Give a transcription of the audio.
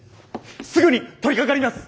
すぐに取りかかります。